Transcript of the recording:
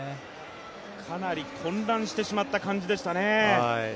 かなり混乱してしまった感じでしたね。